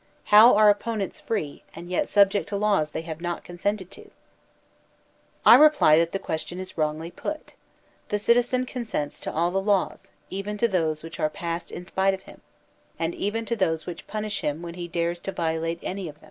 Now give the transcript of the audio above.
How are opponents free and yet subject to laws they have not consented to ? I reply that the question is wrongly put. The citizen consents to all the laws, even to those which are passed in spite of him, and even to those which punish him when he dares to violate any of them.